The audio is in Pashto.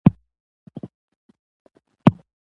د مېلو پر مهال خلک د یو بل دودونو ته درناوی کوي.